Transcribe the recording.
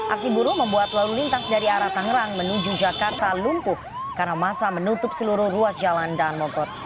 aksi buruh membuat lalu lintas dari arah tangerang menuju jakarta lumpuh karena masa menutup seluruh ruas jalan daan mogot